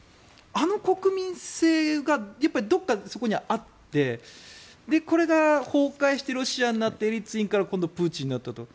あの国民性がどこかそこにはあってこれが崩壊してロシアになってエリツィンから今度、プーチンになったと。